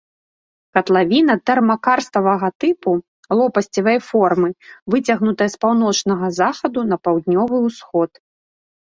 Катлавіна тэрмакарставага тыпу, лопасцевай формы, выцягнутая з паўночнага захаду на паўднёвы ўсход.